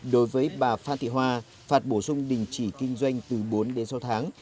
đối với bà phan thị hoa phạt bổ sung đình chỉ kinh doanh từ bốn đến sáu tháng